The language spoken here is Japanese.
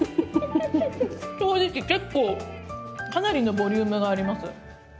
正直結構かなりのボリュームがあります。